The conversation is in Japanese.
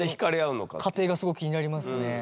過程がすごく気になりますね。